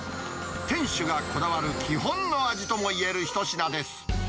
店主がこだわる基本の味ともいえる一品です。